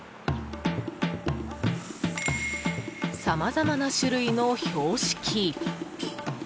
さまざまな種類の標識。